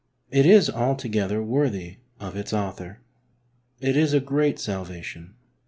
It is altogether worthy of its Author. It is a "great salvation."